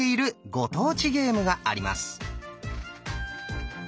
ご当地ゲームがあります。